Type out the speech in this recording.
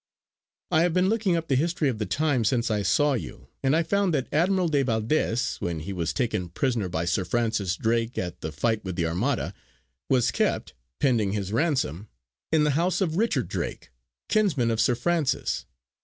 I have been looking up the history of the time since I saw you, and I found that Admiral de Valdes when he was taken prisoner by Sir Francis Drake at the fight with the Armada was kept, pending his ransom, in the house of Richard Drake, kinsman of Sir Francis.